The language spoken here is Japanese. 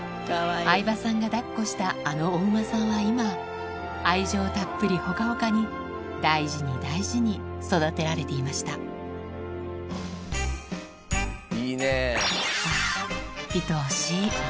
相葉さんが抱っこしたあのお馬さんは今愛情たっぷりほかほかに大事に大事に育てられていましたいいねぇ。